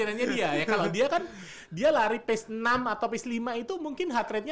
kalo dia kan dia lari pace enam atau pace lima itu mungkin heart ratenya enam puluh